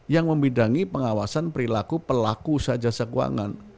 yang memidangi pengawasan perilaku pelaku jasa keuangan